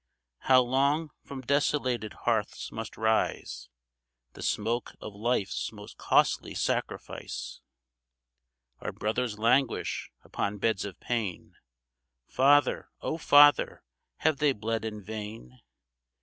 How long from desolated hearths must rise The smoke of life's most costly sacrifice ? Our brothers languish upon beds of pain, — Father, O Father, have they bled in vain